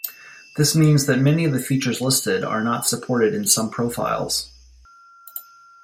This means that many of the features listed are not supported in some profiles.